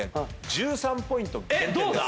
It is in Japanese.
１３ポイント減点です。